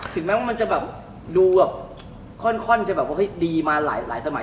ถึงแม้ว่ามันจะดูค่อนจะดีมาหลายสมัย